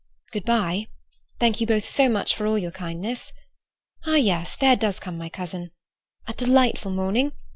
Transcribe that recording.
Good bye. Thank you both so much for all your kindness. Ah, yes! there does come my cousin. A delightful morning!